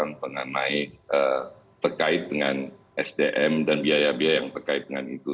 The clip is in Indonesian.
dengan pengamai terkait dengan sdm dan biaya biaya yang terkait dengan itu